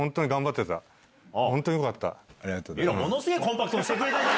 ありがとうございます。